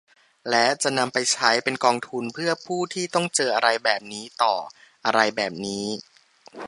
และจะนำไปใช้เป็นกองทุนเพื่อผู้ที่ต้องเจอกับอะไรแบบนี้ต่อ | อะไรแบบนี้